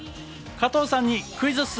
加藤さんにクイズッス！